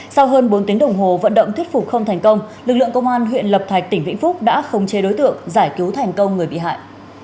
sau hơn bốn tiếng đồng hồ vận động thuyết phục không thành công lực lượng công an huyện lập thạch tỉnh vĩnh phúc đã khống chế đối tượng giải cứu thành công người bị hại